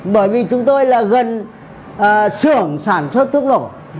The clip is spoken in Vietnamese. bởi vì chúng tôi là gần xưởng sản xuất thuốc nổ